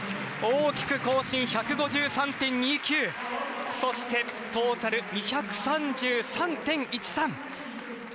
大きく更新１５３．２９そしてトータル２３３．１３。